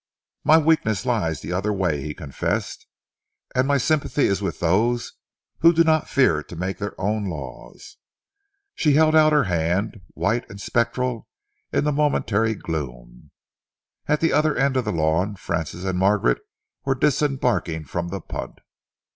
"My weakness lies the other way," he confessed, "and my sympathy is with those who do not fear to make their own laws." She held out her hand, white and spectral in the momentary gloom. At the other end of the lawn, Francis and Margaret were disembarking from the punt.